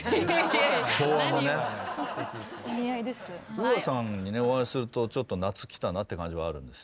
ＵＡさんにお会いするとちょっと夏来たなって感じはあるんです。